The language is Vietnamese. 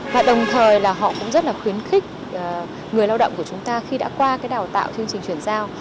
và đồng thời là họ cũng rất là khuyến khích người lao động của chúng ta khi đã qua cái đào tạo chương trình chuyển giao